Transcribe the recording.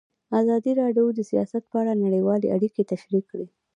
ازادي راډیو د سیاست په اړه نړیوالې اړیکې تشریح کړي.